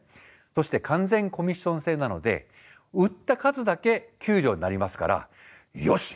そして完全コミッション制なので売った数だけ給料になりますからよし！